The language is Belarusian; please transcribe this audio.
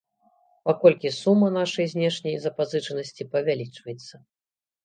Паколькі сума нашай знешняй запазычанасці павялічваецца.